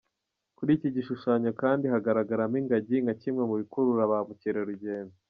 Kuri iki gishushanyo kandi hagaragaramo ingagi nka kimwe mu bikurura ba mukerarugendo.